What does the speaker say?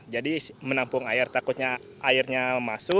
jadi menampung air takutnya airnya masuk nanti akan berat nanti jatuh ke bawah seperti itu